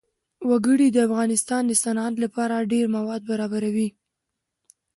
وګړي د افغانستان د صنعت لپاره ډېر مواد برابروي.